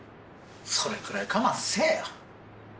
それくらい我慢せえよ。